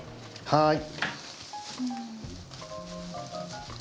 はい。